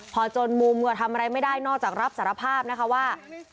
พอจนมุมก็ทำอะไรไม่ได้นอกจากรับสารภาพนะคะว่า